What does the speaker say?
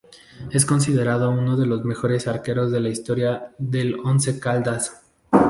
Es considerado uno de los mejores arqueros de la historia del Once Caldas.